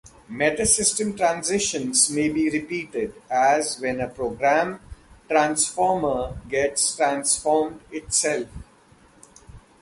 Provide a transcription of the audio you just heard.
Metasystem transitions may be repeated, as when a program transformer gets transformed itself.